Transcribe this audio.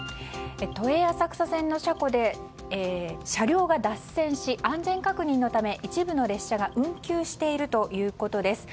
都営浅草線の車庫で車両が脱線し安全確認のため一部の列車が運休しているということです。